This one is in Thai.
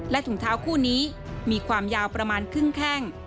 ถุงเท้าคู่นี้มีความยาวประมาณครึ่งแข้ง